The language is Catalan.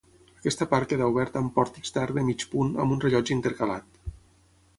Aquesta part queda oberta amb pòrtics d'arc de mig punt amb un rellotge intercalat.